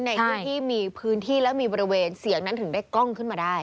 ในพื้นที่มีพื้นที่และมีบริเวณเสียงนั้นถึงได้กล้องขึ้นมาได้